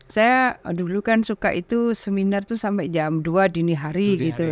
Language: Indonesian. saya dulu kan suka itu seminar itu sampai jam dua dini hari gitu